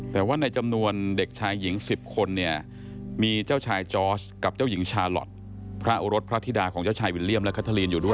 แต่ว่าในจำนวนเด็กชายหญิง๑๐คนเนี่ยมีเจ้าชายจอร์สกับเจ้าหญิงชาลอทพระอุรสพระธิดาของเจ้าชายวิลเลี่ยมและคัทธาลีนอยู่ด้วย